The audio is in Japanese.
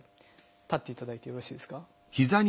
立っていただいてよろしいですか？